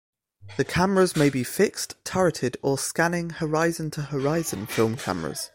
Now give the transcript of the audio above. The cameras may be fixed, turreted, or scanning horizon-to-horizon film cameras.